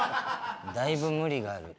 だいぶ無理がある。